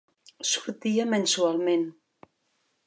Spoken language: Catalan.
Sortia mensualment.